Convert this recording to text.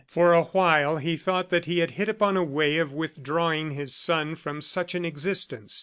For a while, he thought that he had hit upon a way of withdrawing his son from such an existence.